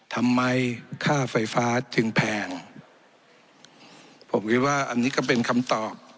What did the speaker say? ค่าไฟฟ้าจึงแพงผมคิดว่าอันนี้ก็เป็นคำตอบ